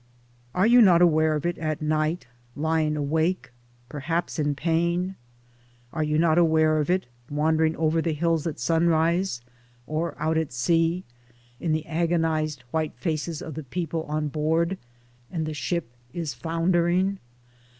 Are you not aware of it at night, lying awake, perhaps in pain ? Are you not aware of it wandering over the hills at sunrise, or out at sea — in the agonised white faces of the people on board — and the ship is foundering?